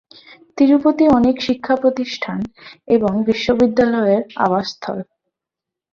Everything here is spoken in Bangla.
তিরুপতি অনেক শিক্ষা প্রতিষ্ঠান এবং বিশ্ববিদ্যালয়ের আবাসস্থল।